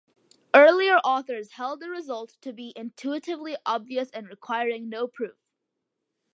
Earlier authors held the result to be intuitively obvious and requiring no proof.